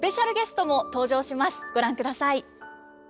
ご覧ください。